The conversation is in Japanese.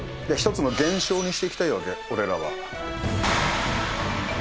一つの現象にしていきたいわけ、俺らわ。